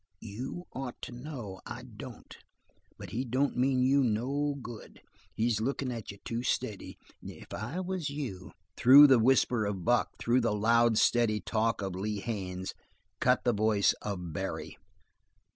"You ought to know. I don't. But he don't mean you no good. He's lookin' at you too steady. If I was you " Through the whisper of Buck, through the loud, steady talk of Lee Haines, cut the voice of Barry.